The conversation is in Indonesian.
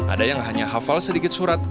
ada yang hanya hafal sedikit surat